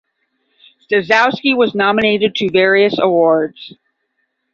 Staszewski was nominated to various awards.